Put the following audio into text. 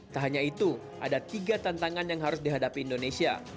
tak hanya itu ada tiga tantangan yang harus dihadapi indonesia